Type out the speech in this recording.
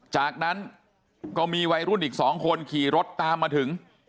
จากนั้นก็มีวัยรุ่นอีก๒คนขี่รถตามมาถึง